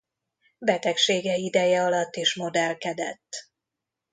Betegsége ideje alatt is modellkedett.